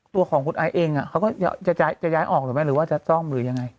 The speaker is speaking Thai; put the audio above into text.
ตัวของคุณไอซ์เองเขาก็จะย้ายออกหรือไม่หรือว่าจะจ้องหรือยังไง